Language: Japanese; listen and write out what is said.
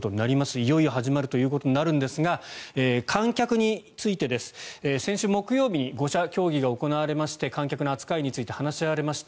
いよいよ始まるということになるんですが観客についてです、先週木曜日に５者協議が行われまして観客の扱いについて話し合われました。